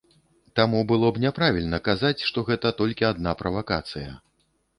Таму было б няправільна казаць, што гэта толькі адна правакацыя.